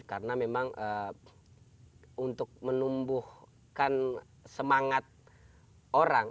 karena memang untuk menumbuhkan semangat orang